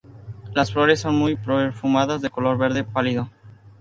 Las flores son muy perfumadas, de color verde-pálido.